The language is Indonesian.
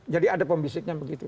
jadi ada pembisiknya begitu